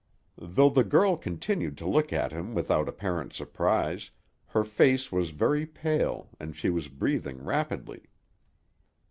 Though the girl continued to look at him without apparent surprise, her face was very pale, and she was breathing rapidly.